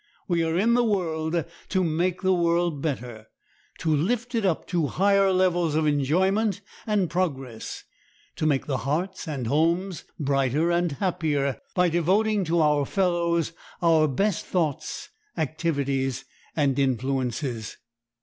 We are in the world to make the world better, to lift it up to higher levels of enjoyment and progress, to make the hearts and homes brighter and happier by devoting to our fellows our best thoughts, activities, and influences.